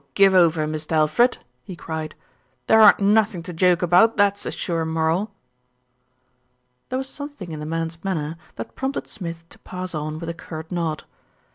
Give over, Mist' Alfred," he cried. "There aren't narthen' to joke about, that's a sure moral." There was something in the man's manner that prompted Smith to pass on with a curt nod.